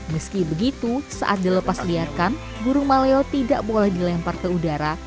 meski begitu saat dilepas liarkan burung maleo tidak boleh dilempar ke udara